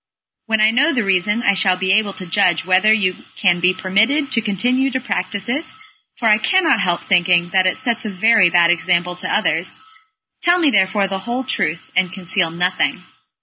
When I know the reason I shall be able to judge whether you can be permitted to continue to practise it, for I cannot help thinking that it sets a very bad example to others. Tell me therefore the whole truth, and conceal nothing."